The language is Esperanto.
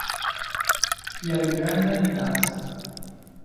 Kial granda minaco?